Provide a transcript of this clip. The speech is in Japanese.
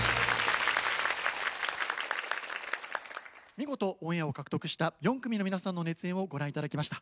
見事オンエアを獲得した４組の皆さんの熱演をご覧頂きました。